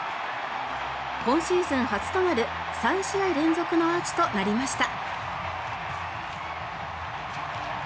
今シーズン初となる３試合連続のアーチとなりました。